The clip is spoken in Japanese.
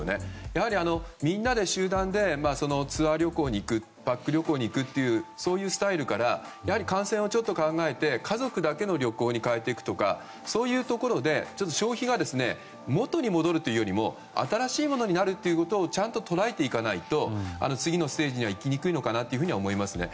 やはりみんなで集団でツアー旅行に行くパック旅行に行くというそういうスタイルからやはり感染をちょっと考えて家族だけの旅行に変えていくとかそういうところで、消費が元に戻るというよりも新しいものになるということをちゃんと捉えていかないと次のステージにはいきにくいのかなと思いますね。